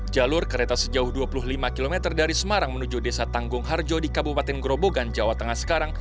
jalur kereta sejauh dua puluh lima km dari semarang menuju desa tanggung harjo di kabupaten gerobogan jawa tengah sekarang